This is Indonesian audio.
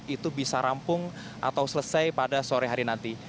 itu bisa rampung atau selesai pada sore hari nanti